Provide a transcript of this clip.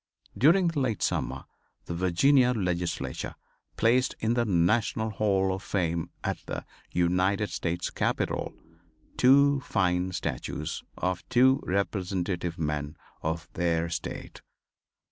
During the late summer the Virginia legislature placed in the National Hall of Fame, at the United States Capitol, two fine statues of two representative men of their state.